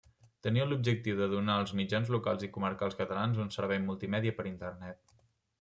Tenia l'objectiu de donar als mitjans locals i comarcals catalans un servei multimèdia per Internet.